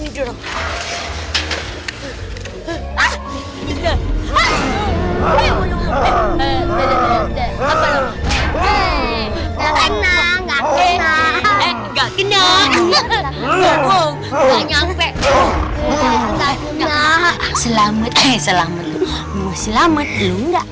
enggak kena enggak kena enggak kena enggak nyampe selamat selamat selamat belum enggak